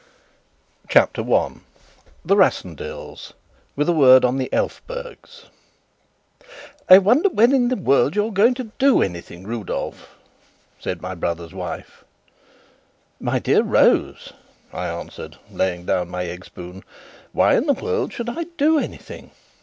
CHAPTER 1 The Rassendylls With a Word on the Elphbergs "I wonder when in the world you're going to do anything, Rudolf?" said my brother's wife. "My dear Rose," I answered, laying down my egg spoon, "why in the world should I do anything?